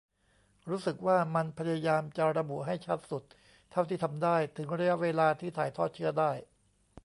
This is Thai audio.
รู้สึกว่ามันพยายามจะระบุให้ชัดสุดเท่าที่ทำได้ ถึงระยะเวลาที่ถ่ายทอดเชื้อได้